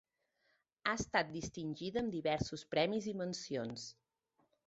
Ha estat distingida amb diversos premis i mencions.